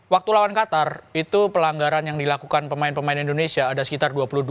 waktu lawan qatar itu pelanggaran yang dilakukan pemain pemain indonesia ada sekitar dua puluh dua